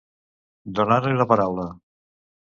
Donar-li la paraula.